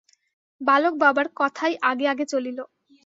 বালক বাবার কথায় আগে আগে চলিল।